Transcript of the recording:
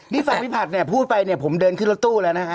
นี่ฝั่งพี่ผัดพูดไปผมเดินขึ้นรถตู้แล้วนะคะ